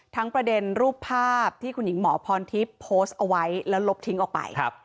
ประเด็นรูปภาพที่คุณหญิงหมอพรทิพย์โพสต์เอาไว้แล้วลบทิ้งออกไป